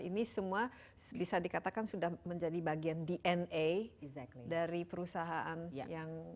ini semua bisa dikatakan sudah menjadi bagian dna dari perusahaan yang